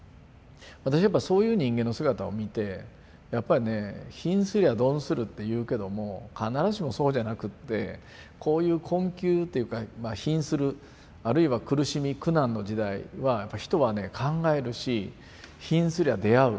私やっぱりそういう人間の姿を見てやっぱりね「貧すりゃ鈍する」っていうけども必ずしもそうじゃなくってこういう困窮っていうか貧するあるいは苦しみ苦難の時代はやっぱり人はね考えるし貧すりゃ出会う。